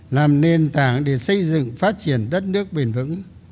làm nền tảng để xây dựng phát triển đất nước bền vững